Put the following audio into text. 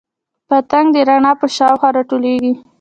پتنګ د رڼا په شاوخوا راټولیږي